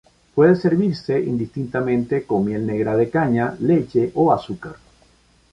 Puede servirse indistintamente con miel negra de caña, leche o azúcar.